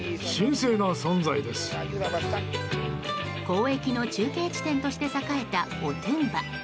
交易の中継地点として栄えたオトゥンバ。